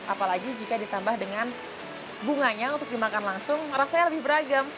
apalagi jika ditambah dengan bunganya untuk dimakan langsung rasanya lebih beragam